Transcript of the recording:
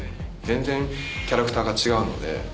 全然キャラクターが違うので。